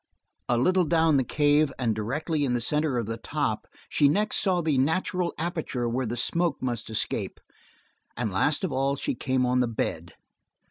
A little down the cave and directly in the center of the top, she next saw the natural aperture where the smoke must escape and last of all she came on the bed.